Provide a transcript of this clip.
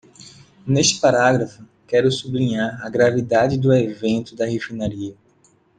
Neste parágrafo, quero sublinhar a gravidade do evento da refinaria.